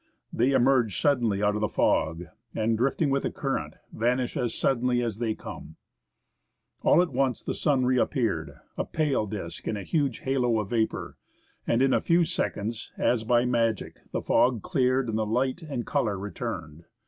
They emerge suddenly out of the fog, and, drifting with the current, vanish as suddenly as they come. All at once the sun reappeared : a pale disc in a huge halo of vapour, and in a few seconds, as by magic, the fog cleared, 31 THE ASCENT OF MOUNT ST. ELIAS and light and colour returned.